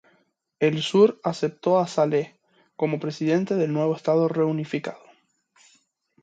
El Sur aceptó a Saleh como presidente del nuevo estado reunificado.